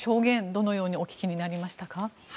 どのようにお聞きになりましたか。